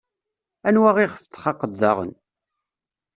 Anwa iɣef txaqeḍ daɣen?